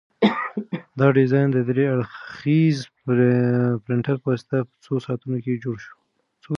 دا ډیزاین د درې اړخیزه پرنټر په واسطه په څو ساعتونو کې جوړ شو.